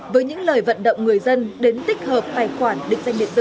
với những lời vận động người dân đến tích hợp tài khoản định danh điện tử